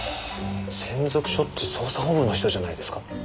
千束署って捜査本部の人じゃないですか？